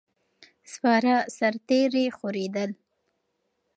سپاره سرتیري خورېدل.